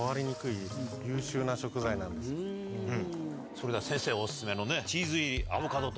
それでは先生お薦めのね。